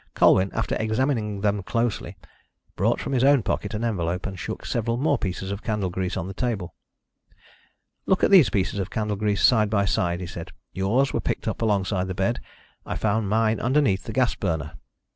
Colwyn, after examining them closely, brought from his own pocket an envelope, and shook several more pieces of candle grease on the table. "Look at these pieces of candle grease side by side," he said. "Yours were picked up alongside the bed; I found mine underneath the gas burner."